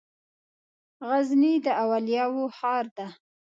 غزني د اولياوو ښار ده